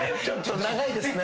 下長いですね。